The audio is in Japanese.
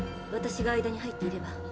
私が間に入っていれば。